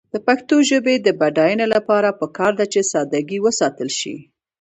د پښتو ژبې د بډاینې لپاره پکار ده چې ساده ګي وساتل شي.